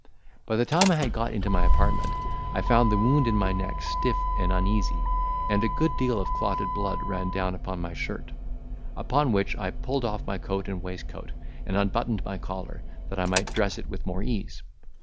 By the time I had got into my apartment, I found the wound in my neck stiff and uneasy, and a good deal of clotted blood ran down upon my shirt; upon which I pulled off my coat and waistcoat, and unbuttoned my collar, that I might dress it with more ease.